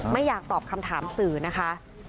ไม่อยากตอบคำถามสื่อนะคะ